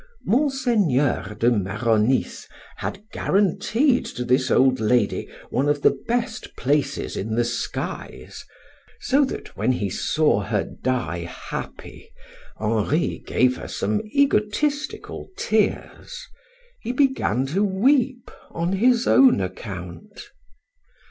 Monseigneur de Maronis had guaranteed to this old lady one of the best places in the skies, so that when he saw her die happy, Henri gave her some egotistical tears; he began to weep on his own account.